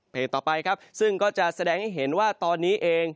ต่อไปครับซึ่งก็จะแสดงให้เห็นว่าตอนนี้เอง